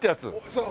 そう。